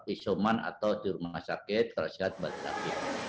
isoman atau di rumah sakit kalau sehat batu